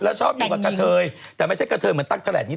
แล้วชอบอยู่กับกะเถยแต่ไม่ใช่กะเถยเหมือนตั๊กแขน